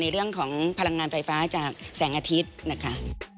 เรื่องของพลังงานไฟฟ้าจากแสงอาทิตย์นะคะ